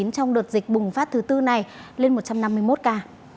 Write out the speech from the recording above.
trong đợt dịch bùng phát thứ tư này lên một trăm năm mươi một ca